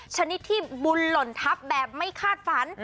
ชนิดที่บุญหล่นทัพแบบไม่คาดฝัน